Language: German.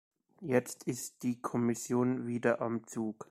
Jetzt ist die Kommission wieder am Zug.